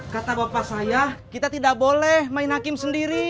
kata bapak saya kita tidak boleh main hakim sendiri